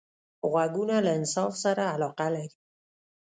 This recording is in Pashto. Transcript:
غوږونه له انصاف سره علاقه لري